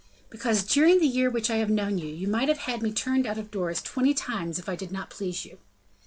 "Because during the year which I have known you, you might have had me turned out of doors twenty times if I did not please you."